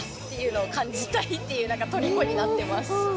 っていう虜になってます。